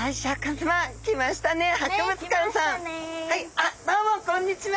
あっどうもこんにちは。